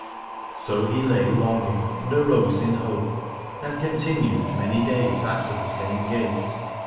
So he lay longing, and arose in hope, and continued many days after the same gait.